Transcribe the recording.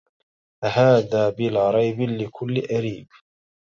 هذا بلا ريب لكل أريب